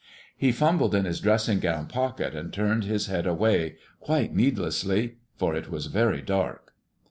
He fumbled in his dressing gown pocket and turned his head away; quite needlessly, for it was very dark.